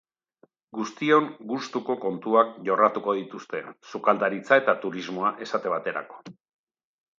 Guztion gustuko kontuak jorratuko dituzte, sukaldaritza eta turismoa, esate baterako.